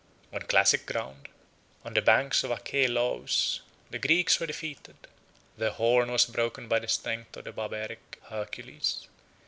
On classic ground, on the banks of Achelous, the greeks were defeated; their horn was broken by the strength of the Barbaric Hercules.